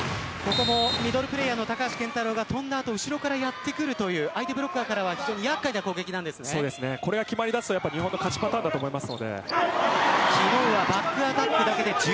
ミドルプレーヤーの高橋が跳んだ後からやってくる相手ブロッカーからはこれが決まり出すと日本の勝ちパターンだと思います。